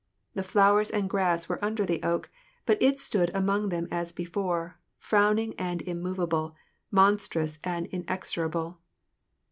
The flowers and grass were under the oak ; but it stood among them as before, frowning and immovable, monstrous and inexorable.